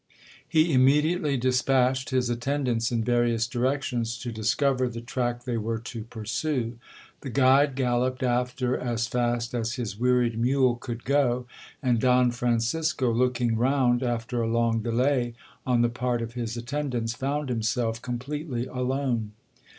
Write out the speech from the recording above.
He immediately dispatched his attendants in various directions, to discover the track they were to pursue. The guide gallopped after as fast as his wearied mule could go, and Don Francisco, looking round, after a long delay on the part of his attendants, found himself completely alone.